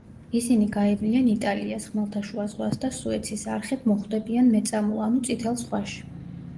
ისინი გაივლიან იტალიას, ხმელთაშუა ზღვას და სუეცის არხით მოხვდებიან მეწამულ ანუ წითელ ზღვაში.